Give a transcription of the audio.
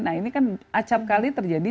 nah ini kan acap kali terjadi